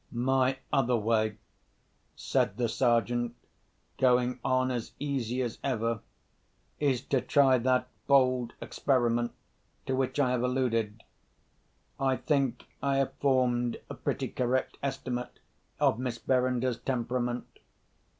"My other way," said the Sergeant, going on as easy as ever, "is to try that bold experiment to which I have alluded. I think I have formed a pretty correct estimate of Miss Verinder's temperament.